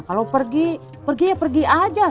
kalau pergi pergi aja